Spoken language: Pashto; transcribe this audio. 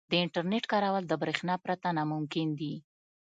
• د انټرنیټ کارول د برېښنا پرته ناممکن دي.